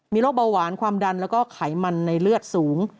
มีโรคเบาหวานความดันแล้วก็ไขมันในเลือดสูง